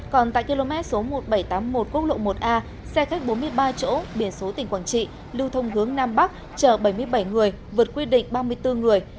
còn tại km một nghìn bảy trăm tám mươi một quốc lộ một a xe khách bốn mươi ba chỗ biển số tỉnh quảng trị lưu thông hướng nam bắc chở bảy mươi bảy người vượt quy định ba mươi bốn người